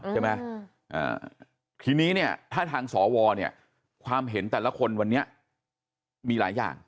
ใช่ไหมทีนี้เนี่ยถ้าทางสวเนี่ยความเห็นแต่ละคนวันนี้มีหลายอย่าง